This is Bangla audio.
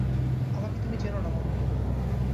আমাকে তুমি চেন না মামা।